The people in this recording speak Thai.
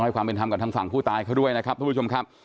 ความเป็นธรรมกับทางฝั่งผู้ตายเขาด้วยนะครับทุกผู้ชมครับ